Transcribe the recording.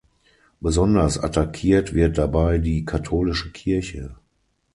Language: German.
Besonders attackiert wird dabei die katholische Kirche.